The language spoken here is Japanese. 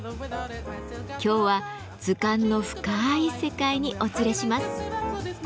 今日は図鑑の深い世界にお連れします。